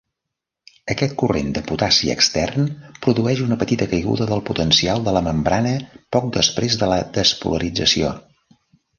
Aquest corrent de potassi extern produeix una petita caiguda del potencial de la membrana poc després de la despolarització.